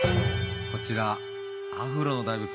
こちら。